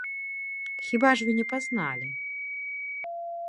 Хіба ж вы не пазналі?